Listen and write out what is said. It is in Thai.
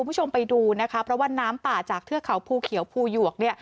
คุณผู้ชมไปดูนะคะเพราะว่าน้ำป่าจากเทือกเขาภูเขียวภูหยวกเนี่ย